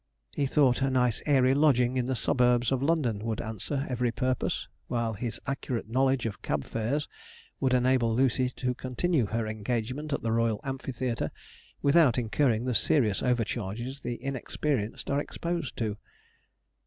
He thought a nice airy lodging in the suburbs of London would answer every purpose, while his accurate knowledge of cab fares would enable Lucy to continue her engagement at the Royal Amphitheatre without incurring the serious overcharges the inexperienced are exposed to.